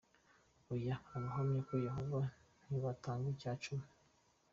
Oya, Abahamya ba Yehova ntibatanga icya cumi.